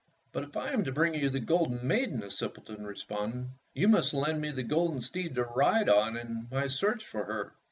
"But if I am to bring you the golden maiden," the simpleton responded, "you must lend me the golden steed to ride on in my search for her."